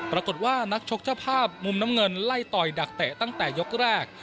ปรากฏว่านักชกเจ้าภาพมุมน้ำเงินไล่ต่อยดักเตะตั้งแต่ยกแรก